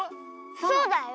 そうだよ。